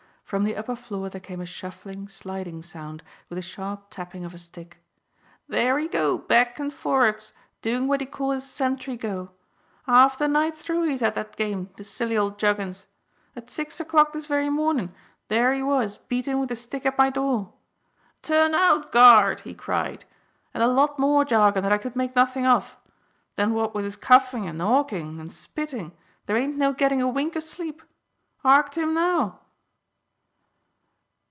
From the upper floor there came a shuffling, sliding sound with a sharp tapping of a stick. "There he go back and forrards, doing what he call his sentry go. 'Arf the night through he's at that game, the silly old juggins. At six o'clock this very mornin there he was beatin' with a stick at my door. 'Turn out, guard!' he cried, and a lot more jargon that I could make nothing of. Then what with his coughin' and 'awkin' and spittin', there ain't no gettin' a wink o' sleep. Hark to him now!"